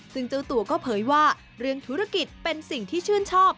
ซึ่งเจ้าตัวก็เผยว่าเรื่องธุรกิจเป็นสิ่งที่ชื่นชอบ